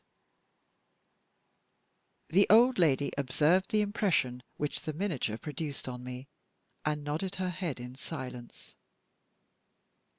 The old lady observed the impression which the miniature produced on me, and nodded her head in silence.